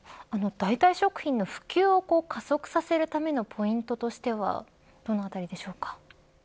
代替食品の普及を加速させるためのポイントとしてはどのあたりでしょうか。